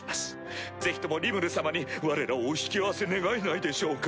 ぜひともリムル様にわれらをお引き合わせ願えないでしょうか？